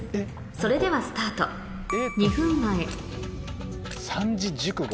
それではスタート２分前三字熟語。